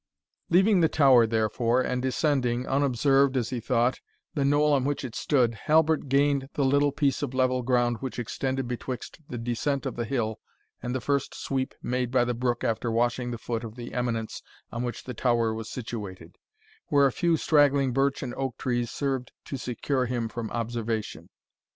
Leaving the tower, therefore, and descending, unobserved as he thought, the knoll on which it stood, Halbert gained the little piece of level ground which extended betwixt the descent of the hill, and the first sweep made by the brook after washing the foot of the eminence on which the tower was situated, where a few straggling birch and oak trees served to secure him from observation.